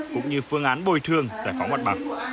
cũng như phương án bồi thường giải phóng mặt bằng